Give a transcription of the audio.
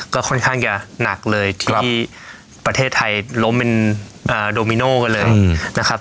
ก็ค่อนข้างจะหนักเลยที่ประเทศไทยล้มเป็นโดมิโนกันเลยนะครับ